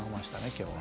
今日は。